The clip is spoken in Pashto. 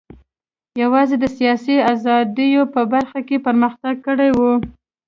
یوازې د سیاسي ازادیو په برخه کې پرمختګ کړی و.